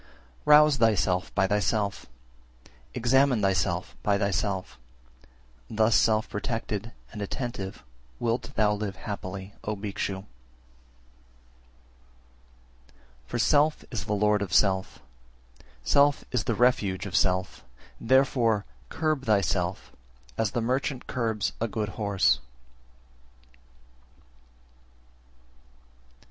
379. Rouse thyself by thyself, examine thyself by thyself, thus self protected and attentive wilt thou live happily, O Bhikshu! 380. For self is the lord of self, self is the refuge of self; therefore curb thyself as the merchant curbs a good horse. 381.